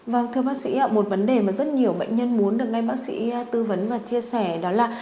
vâng thưa bác sĩ một vấn đề mà rất nhiều bệnh nhân muốn được ngay bác sĩ tư vấn và chia sẻ đó là